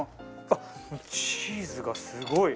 あっチーズがすごい。